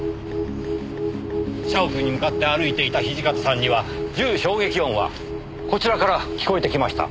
社屋に向かって歩いていた土方さんには銃衝撃音はこちらから聞こえてきました。